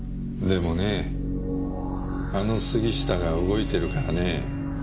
でもねあの杉下が動いてるからねぇ。